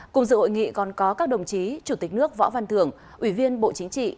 cùng dự hội nghị còn có các đồng chí chủ tịch nước võ văn thưởng ủy viên bộ chính trị